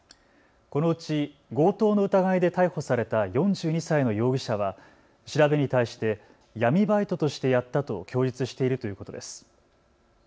このうち強盗の疑いで逮捕された４２歳の容疑者は調べに対して闇バイトとしてやったと供述しているということです。